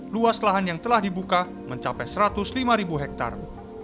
luas lahan yang telah dibuka mencapai satu ratus lima ribu hektare